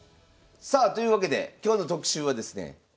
さあというわけで今日の特集はですね